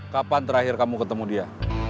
kapan terakhir kamu ketemu dia